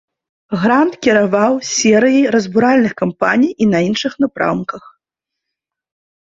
Грант кіраваў серыяй разбуральных кампаній і на іншых напрамках.